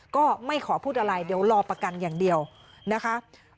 ก็ไม่ขอพูดอะไรเดี๋ยวรอประกันอย่างเดียวนะคะ